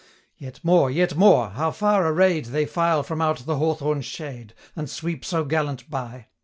Yet more! yet more! how far array'd They file from out the hawthorn shade, 630 And sweep so gallant by!